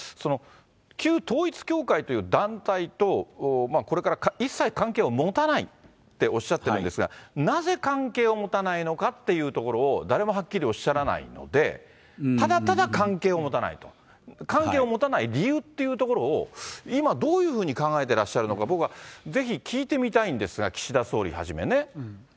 旧統一教会という団体とこれから一切関係を持たないっておっしゃってるんですが、なぜ関係を持たないのかというところを、誰もはっきりおっしゃらないので、ただただ関係を持たないと、関係を持たない理由っていうところを、今どういうふうに考えてらっしゃるのか、僕はぜひ、聞いてみたいんですが、岸田総理はじめね。